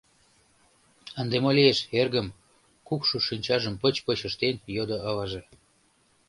— Ынде мо лиеш, эргым? — кукшо шинчажым пыч-пыч ыштен, йодо аваже.